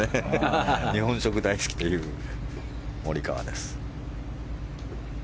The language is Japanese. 日本食大好きというモリカワです。